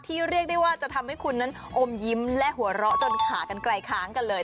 เรียกได้ว่าจะทำให้คุณนั้นอมยิ้มและหัวเราะจนขากันไกลค้างกันเลย